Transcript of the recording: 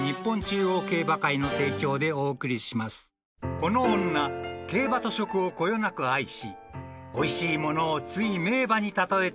［この女競馬と食をこよなく愛しおいしいものをつい名馬に例えてしまう］